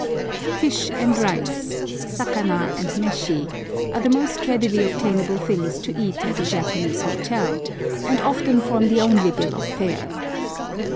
Fish and rice (sakana and meshi) are the most readily obtainable things to eat at a Japanese hotel, and often form the only bill of fare.